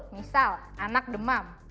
misal anak demam